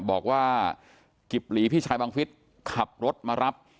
บอกว่ากิบหลีพี่ชายบังฟิศขับรถมารับ